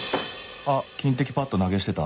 あっ金的パッド投げ捨てた